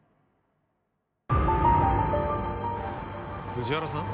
藤原さん？